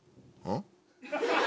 ん？